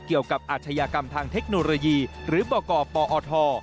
เกี่ยวกับอาชญากรรมทางเทคโนโลยีหรือบ่อก่อปอท